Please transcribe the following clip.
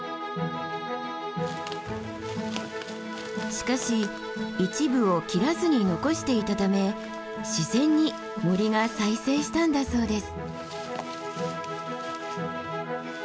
しかし一部を切らずに残していたため自然に森が再生したんだそうです。